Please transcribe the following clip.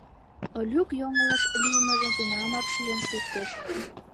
Олюк йоҥылыш лиймыжым тунамак шижын шуктыш.